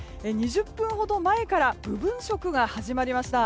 ２０分ほど前から部分食が始まりました。